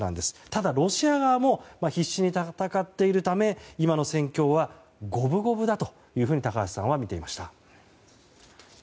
ただロシア側も必死に戦っているため今の戦況は五分五分だというふうに高橋さんは見ていました。